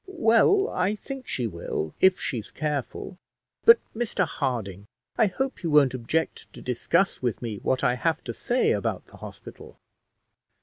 "Well, I think she will, if she's careful; but, Mr Harding, I hope you won't object to discuss with me what I have to say about the hospital."